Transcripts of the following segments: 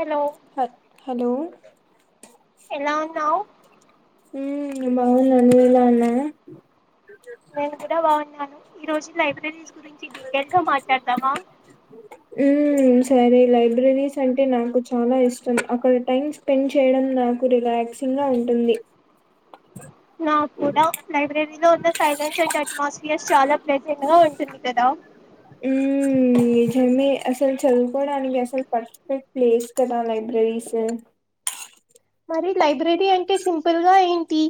Hello హ hello ఎలా ఉన్నావు ఉమ్ బావున్నా నువ్వు బాగున్నావా? నేను కూడా బాగున్నాను ఈ రోజు లైబ్రెరీ ఉమ్ సరే లైబ్రెరీస్ అంటే నాకు చాలా ఇష్టం అక్కడ టైం స్పెండ్ చెయ్యడం నాకు రిలాక్సింగ్ ఉంటుంది నా కూడా లైబ్రెరీ లో ఉన్న సైలెన్స్ అండ్ అట్మాస్ఫియర్స్ చాలా ప్లెజెంట్ గా ఉంటుంది కదా? ఊమ్ నిజమే అసలు చదువుకోవడానికి అసలు పర్ఫెక్ట్ ప్లేస్ కదా లైబ్రెరీస్ మరి లైబ్రెరీ అంటే సింపుల్గా ఏంటి?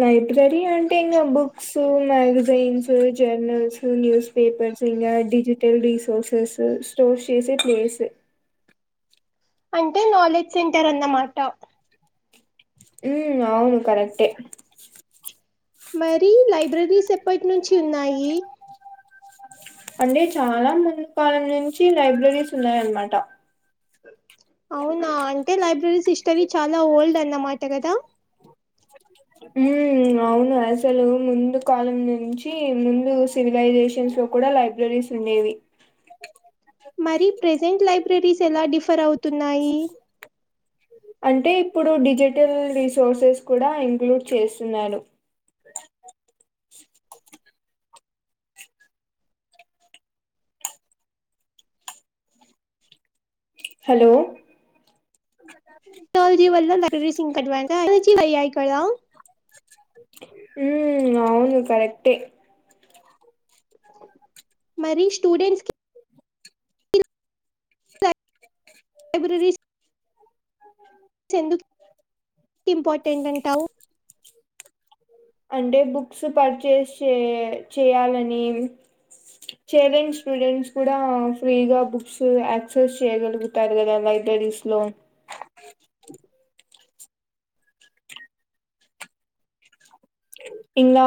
లైబ్రెరీ అంటే ఇంకా books, magazines, journals, news paper ఇంగా డిజిటల్ రీసోర్సెస్ స్టోర్ చేసే ప్లేస్ అంటే నాలెడ్జ్ సెంటర్ అన్నమాట. ఊ అవును కరెక్టే. మరి లైబ్రెరీస్ ఎప్పట్నుంచి ఉన్నాయి? అంటే చాలా ముందు కాలం నుంచి లైబ్రెరీస్ ఉన్నాయన్మాట అవునా అంటే లైబ్రరీస్ హిస్టరీ చాలా ఓల్డ్ అన్నమాట కదా? ఉమ్ అవును అసలు ముందు కాలం నుంచి ముందు సివిలైజేషన్స్ కూడా లైబ్రెరీస్ ఉండేవి మరి ప్రెజెంట్ లైబ్రెరీస్ ఎలా డిఫర్ అవుతున్నాయి? అంటే ఇప్పుడు డిజిటల్ రిసోర్సెస్ కూడా ఇంక్లూడ్ చేస్సున్నారు. హలో [unintelligible] లైబ్రెరీస్ ఇంకా అడ్వాన్స్ అవుతాయా [unintelligible] ఉమ్ అవును కరెక్టే. మరి స్టూడెంట్స్కి స లైబ్రెరీస్ ఎందుక్ ఇంపార్టెంట్ అంటావ్ అంటే బుక్స్ పర్చేస్ చే చెయ్యాలని చేయలేని స్టూడెంట్స్ కూడా ఫ్రీగా బుక్సు యాక్సెస్ చేయగలుగుతారు కదా లై డైరీస్ లో అ ఇంగా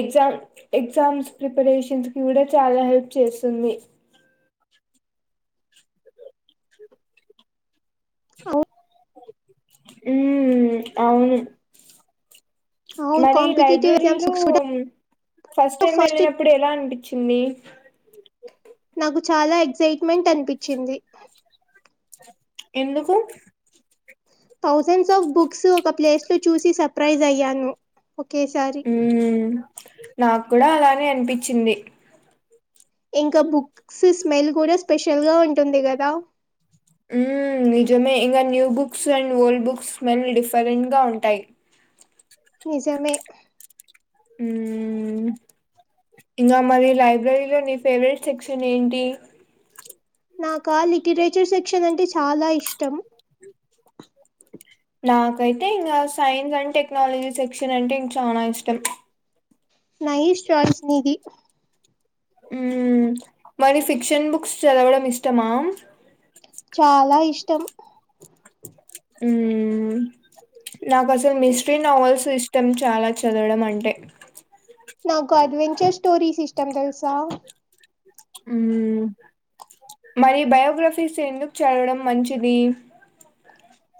ఎగ్జామ్ ఎగ్జామ్స్ ప్రిపరేషన్స్ కి కూడా చాలా హెల్ప్ చేస్ తుంది అవు ఊమ్ అవును అవును మరి కాంపిటేటివ్ ఎగ్జామ్స్ లైబ్రెరీలో బుక్స్ కూడా ఫస్టైం ఫస్ట్ వెళ్ళినప్పుడు ఎలా అనిపిచ్చింది? నాకు చాలా ఎక్సైట్మెంట్ అనిపిచ్చింది ఎందుకు? థౌజండ్స్ ఆఫ్ బుక్స్ ఒక ప్లేస్ లో చూసి సర్ప్రైజ్ అయ్యాను. ఒకేసారి ఊ నాకూడా అలానే అనిపిచ్చింది. ఇంకా బుక్స్ స్మెల్ కూడా స్పెషల్ గా ఉంటుంది కదా? ఉమ్ నిజమే ఇంగా new books, and old books smell different గా ఉంటాయ్ నిజమే ఉమ్ ఇంగా మరి లైబ్రరీలో నీ ఫేవరెట్ సెక్షన్ ఏంటి? నాకా లికిరేచర్ సెక్షన్ అంటే చాలా ఇష్టం. నాకైతే ఇంగా సైన్స్ అండ్ టెక్నాలజీ సెక్షన్ అంటే ఇం చానా ఇష్టం. నైస్ చాయిస్ నీది. ఉమ్ మరి ఫిక్షన్ బుక్స్ చదవడం ఇష్టమా? చాలా ఇష్టం. ఉమ్ నాకు అసలు మిస్ట్రీ, నావెల్స్ ఇష్టం చాలా చదవడం అంటే. నాకు అడ్వెన్చర్ స్టోరీస్ ఇష్టం తెలుసా? ఉమ్ మరి బయోగ్రఫీస్ ఎందుకు చడవడం మంచిది?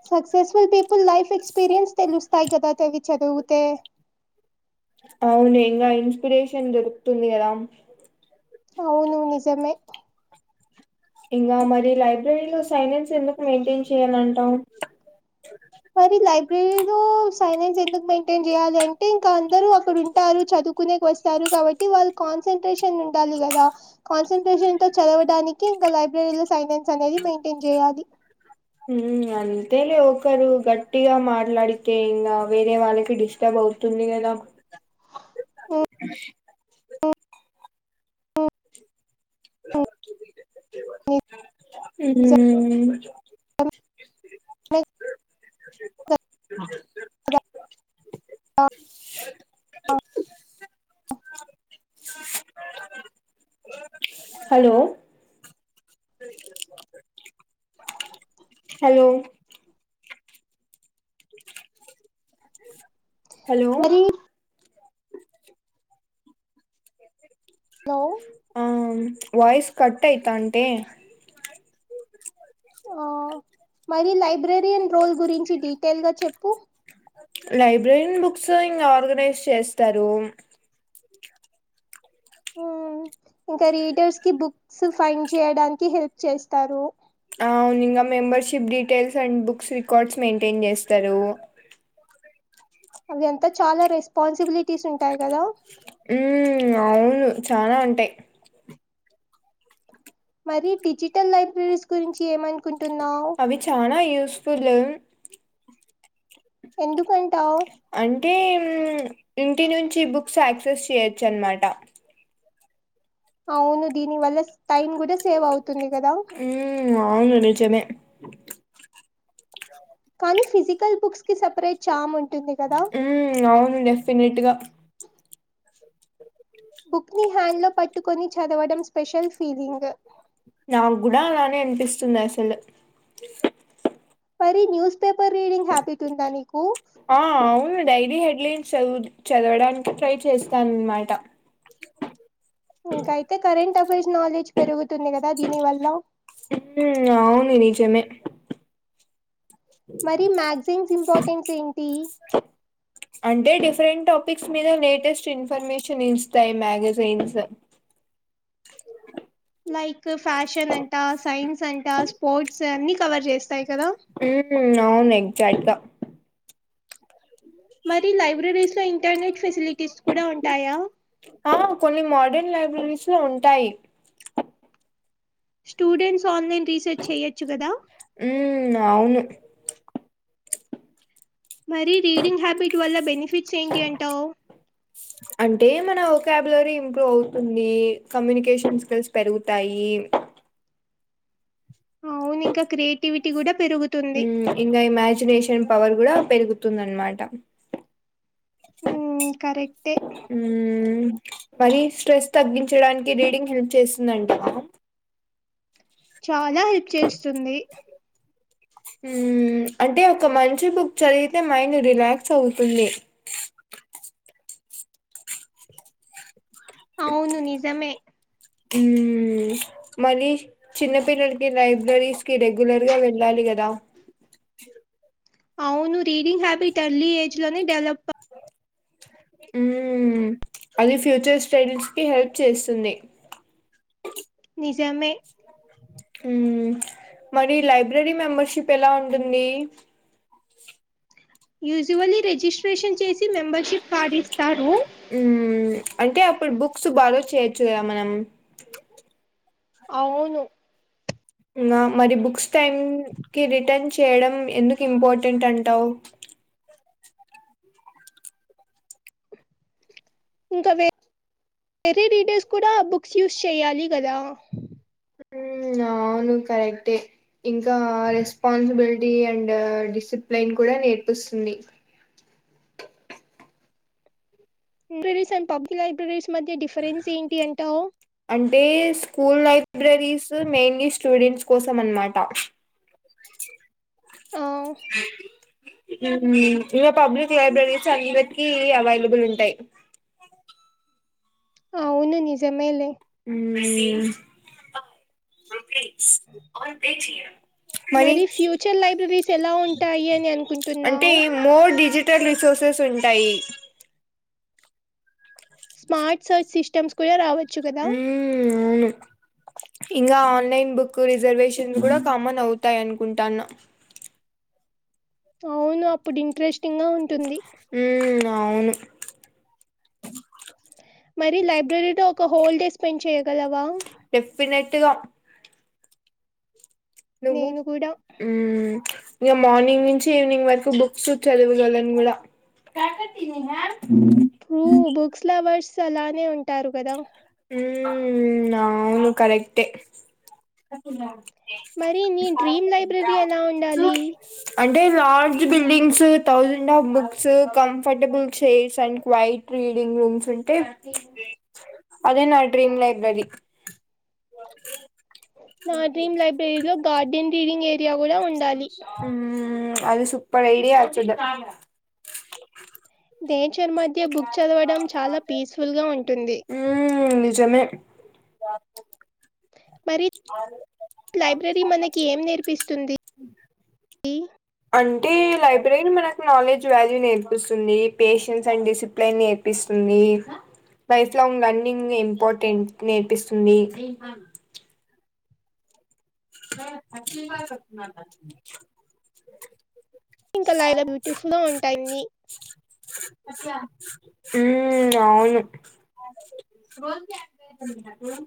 సక్సెస్ఫుల్ పీపుల్ లైఫ్ ఎక్స్పీరియన్స్ తెలుస్తాయి కదా తవి చదువుతే. అవును ఇంగా ఇన్స్పిరేషన్ దొరుకుతుంది కదా. అవును నిజమే. ఇంకా మరి లైబ్రరీ లో సైలెన్స్ ఎందుకు మెయింటైన్ చేయ్యాలంటాం? లైబ్రరీ లో సైలెన్స్ ఎందుకు మెయింటైన్ చేయాలి అంటే, ఇంకా అందరు అక్కడ ఉంటారు చదువుకునే వస్ తారు కాబట్టి వాళ్ళు కాన్సన్ట్రేషన్ ఉండాలి కదా, కాన్సన్ట్రేషన్ అంతా చదవడానికి ఇంకా లైబ్రరీ లో సైలెన్స్ అనేది మెయింటెన్ చేయాలి. ఉమ్ అంతేలే ఒకరు గట్టిగా మాట్లాడితే, ఇంగ వేరే వాళ్ళకి డిస్టర్బ్ అవు తుంది కదా. అ కో ఉమ్ మిక్ ద హలో హలో హలో మరి లో ఆ అవును వాయిస్ కట్ అయితా అంటే ఆ మరి లైబ్రరియన్ రోల్ గురించి డీటెయిల్గా చెప్పు? లైబ్రరీయన్ బుక్స్ ఇంగ ఆర్గనైజ్ చేస్తారు. ఉమ్ ఇంకా రీడర్స్ కి బుక్స్ ఫైండ్ చేయడానికి హెల్ప్ చేస్తారు. ఆవును ఇంగా membership details and books records maintain చేస్తరు. అవి అంతా చాలా రెస్పాన్సిబిలిటీస్ ఉంటాయి కదా. ఉమ్ అవును చానా ఉంటయి. మరి డిజిటల్ లైబ్రరీస్ గురించి ఏమనుకుం అవి చానా యూస్ఫుల్. ఎందుకం అంటే ఇంటి నుంచి బుక్స్ యాక్సెస్ చెయొచ్చు అనమాట అవును దీనివల్ల టైమ్ కూడా సేవ్ అవుతు మ్మ్ అవును నిజమే కానీ ఫిజికల్ బుక్స్ కి సపరేట్ చాము ఉంటుంది కదా ఉమ్ అవును డెఫినెట్గా బుక్ ని హ్యాండ్ లో పట్టుకొని చదవడం స్పెషల్ ఫీలింగ్ నాకు కూడా అలానే అనిపిస్తుంది అసలు మరి న్యూస్ పేపర్ రీడింగ్ హ్యాబిట్ ఉందా నీకు ఆ అవును డైరీ హెడ్లైన్స్ చదువు చదవడానికి ట్రై చేస్తాన అనమాట ఇంకాయితే కరెంట్ అఫెర్స్ నాలెడ్జ్ పెరుగు తుంది కదా దీని వల్ల మ్మ్ అవును నిజమే మరి మ్యాగ్జైన్స్ ఇంపార్టెన్స్ ఏంటి అంటే డిఫరెంట్ టాపిక్స్ మీద లేటెస్ట్ ఇన్ఫర్మేషన్ ఇస్తాయి మ్యాగజైన్స్ లైక్ ఫ్యాషన్ అంట సైన్స్ అంటా స్పోర్ట్స్ అన్ని కవర్ చేస్తాయి కదా హ అవును ఎగజాక్ట్గా మరి లైబ్రరీస్ లో ఇంటర్నేెట్ ఫెసిలిటీ ఆ కొన్ని మోడర్న్ లైబ్రరీస్ లో ఉంటాయి స్టూడెంట్స్ ఆన్లైన్ రీసెర్చ్ చెయొచ్చు కదా ఉమ్ అవును మరి రీడింగ్ హ్యాబిట్ వల్ల బెనిఫిట్స్ ఏంటి అంటావు అంటే మన ఒకాబులరీ ఇంప్రూవ్ అవుతుంది కమ్యూనికేషన్ స్కిల్స్ పెరుగుతాయి అవును ఇంకా క్రియేటివిటీ కూడా పెరుగుతుంది ఇంకా ఇమాజినేషన్ పవర్ కూడా పెరుగుతుంద అనమాట ఉమ్ కరెక్టే ఉమ్ మరి స్ట్రెస్ తగ్గించడానికి రీడింగ్ హెల్ప్ చేస్తుందంట చాలా హెల్ప్ చేస్తుంది అంటే ఒక మంచి బుక్ చదివితే మైండ్ రిలాక్స్ అవుతుంది అ అవును నిజమే మ్మ్ మళ్ళీ చిన్నపిిల్లలకి లైబ్రరీస్ కి రెగ్యులర్ గా వెళ్ళాలి కదా అవును రీడింగ్ హ్యాబిట్ ఎర్లీ ఏజ్ లోనే డెవలప్ ఉ అది ఫ్యూచర్ స్టడీస్ కి హెల్ప్ చేస్తుంది నిజమే మరి లైబ్రరీ మెంబర్షిప్ ఎలా ఉంటుంది యూజువల్ రిజిస్ట్రేషన్ చేసి మెంబర్షిప్ కార్డ్ ఇస్త ఉ అంటే అప్పుడు బుక్స్ బాగా చేయొచ్చు కదా మనం అవును ఇ మరి బుక్స్ టైమ్ కి రిటర్న్ చేయడం ఎందుకు ఇంపార్టెంట్ అంటావు ఇంకాే వేరే రీడర్స్ కూడా బుక్స్ యూస్ చేయ్యాలి కదా అవును కరెక్టే ఇంకా రెస్పాన్సిబిలిటీ అండ్ డిసిప్లిన్ కూడా నేర్పిస్తుంది లైబ్రరీస్ అండ్ పబ్లిక్ లైబ్రరీస్ మధ్య డిఫరెన్స్ ఏంటి అంటావు? The school libraries mainly students కోసం అనమాట. ఆ, ఇగ పబ్లిక్ లైబ్రరీస్ అందరికీ అవైలబుల్ ఉంటయి. అవును నిజమేలే. హ్ మరి ఫ్యూచర్ లైబ్రరీస్ ఎలా ఉంటాయి అని అంటే అనుకుంటున్నావు? [unintelligible] రిసోర్సెస్ ఉంటాయి. స్మార్ట్ సర్చ్ సిస్టమ్స్ కూడా రావ ఉ అవును ఇంగా ఆన్లైన్ బుక్ కు రిజర్వేషన్లు కూడా కామన్ అవుతాయనుకుంటాన. అవును అప్పుడు ఇంట్రెస్టింగా ఉంటుంది. హ్మ్ అవును. మరి లైబ్రరీలో ఒక హోల్ డే స్పెండ్ చేయగలవా? డెఫినెట్ గా నువ్వు నేను కూడా ఇగ మార్నింగ్ నుంచి ఈవినింగ్ వరకు బుక్స్ చదవగలను కూడా. కాకతని మ్యామ్ ట్రూ బుక్స్ లవర్స్ అలానే ఉంటారు కదా. హ్మ్ అవును కరెక్టే. స మరి నీ అం డ్రీమ్ లైబ్రరీ ఎలా ఉండాలి ంటే large buildings, thousand of books comfortable chairs and quiet reading rooms ఉంటే అదే నా డ్రీమ్ లైబ్రరీ. నా డ్రీమ్ లైబ్రరీలో గార్డెన్ రీడింగ్ ఏరియా కూడా ఉండాలి. మ్మ్ అది సూపర్ ఐడియా యాక్చువల్గా. నేచర్ మధ్య బుక్ చదవడం చాలా పీస్ఫుల్గా ఉంటుంది. [inaudible] బుక్ మరి లైబ్రరీ మనకి ఏం నేర్పిస్తుంది? ది అంటే లైబ్రరీలు మనకు నాలెడ్జ్ వాల్యూ నేర్పిస్తుంది, పేషెన్స్ అండ్ డిసిప్లేన్ నేర్పిస్తుం ది లైఫ్ లాంగ్ లర్నింగ్ ఇంపార్టెంట్ నేర్పిస్తుంది. అచ్చ ఇంకలాయిలా బ్యూటిఫుల్గా ఉంటాయాన్ని. హ్ అవును.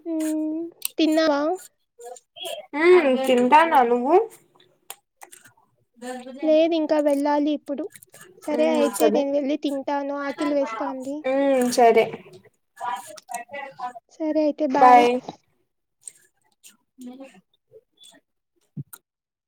మ్మ్ తిన్నావా అ ఎయ్ తింటనవా నువ్వు. లేదు ఇంకా వెళ్ళాలి ఇప్పుడు. సరే మ్మ్ అయితే సరే నేను వెళ్ళి తింటాను. ఆకిలి వేస్తాంది. హ్మ్. సరే సరే అయితే బాయ్. మ